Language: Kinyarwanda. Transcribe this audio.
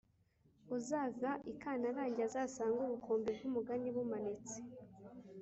uzava i kantarange azasange ubukombe bw'umugani bumanitse